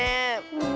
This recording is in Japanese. うん。